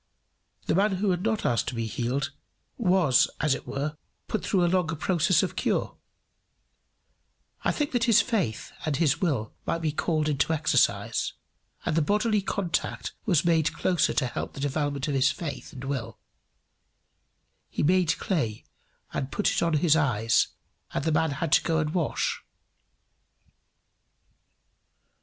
The man who had not asked to be healed was as it were put through a longer process of cure I think that his faith and his will might be called into exercise; and the bodily contact was made closer to help the development of his faith and will: he made clay and put it on his eyes, and the man had to go and wash.